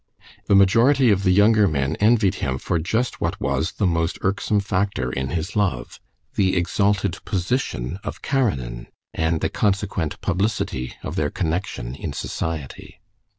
The majority of the younger men envied him for just what was the most irksome factor in his love—the exalted position of Karenin, and the consequent publicity of their connection in society.